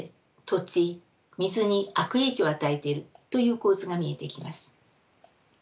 土地水に悪影響を与えているという構図が見えてきます。